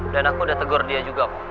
dan aku udah tegur dia juga